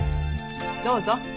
どうぞ。